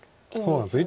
そうなんです。